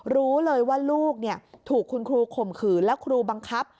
รู้เลยว่าลูกถูกคุณครูข่มขืนแล้วครูบังคับ